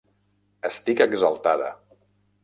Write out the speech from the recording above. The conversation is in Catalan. Estic exaltada.